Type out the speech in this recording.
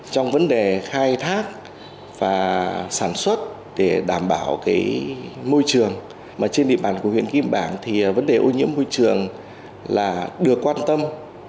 trong vấn đề khai thác và sản xuất để đảm bảo môi trường trên địa bàn của huyện kim bảng thì vấn đề ô nhiễm môi trường là được quan tâm